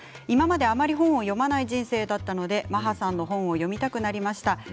今まであまり本を読まない人生だったのでマハさんの本を読みたくなりました。